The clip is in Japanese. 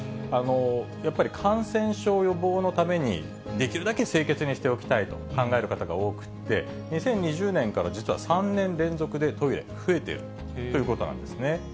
やっぱり感染症予防のために、できるだけ清潔にしておきたいと考える方が多くて、２０２０年から実は、３年連続でトイレ、増えているということなんですね。